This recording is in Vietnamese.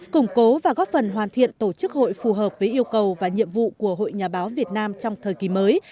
củng cố và góp phần hoàn thiện tổ chức hội phù hợp với yêu cầu và nhiệm vụ của hội nhà báo việt nam trong thời kỳ mới